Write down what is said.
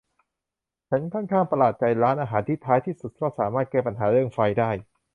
ฉันค่อนข้างประหลาดใจร้านอาหารที่ท้ายที่สุดก็สามารถแก้ปัญหาเรื่องไฟได้